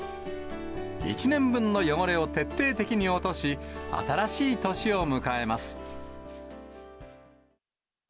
１年分の汚れを徹底的に落とし、新しい年を迎えます。